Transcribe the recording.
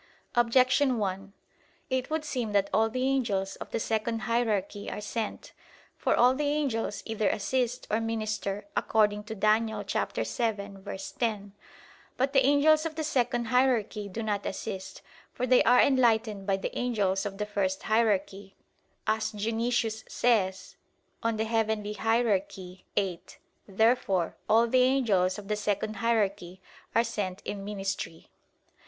Objection 1: It would seem that all the angels of the second hierarchy are sent. For all the angels either assist, or minister, according to Dan. 7:10. But the angels of the second hierarchy do not assist; for they are enlightened by the angels of the first hierarchy, as Dionysius says (Coel. Hier. viii). Therefore all the angels of the second hierarchy are sent in ministry.